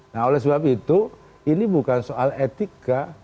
nah oleh sebab itu ini bukan soal etika